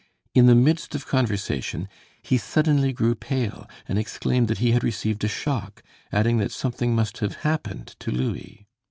In the midst of conversation, he suddenly grew pale and exclaimed that he had received a shock, adding that something must have happened to Louis.